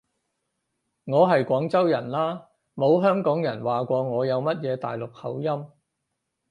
我係廣州人啦，冇香港人話過我有乜嘢大陸口音